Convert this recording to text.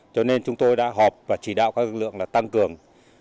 cho nên chúng tôi đã họp và chỉ đạo các lực lượng là tăng cường